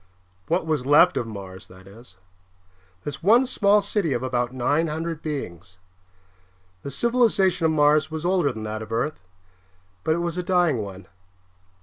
What was left of Mars, that is; this one small city of about nine hundred beings. The civilization of Mars was older than that of Earth, but it was a dying one.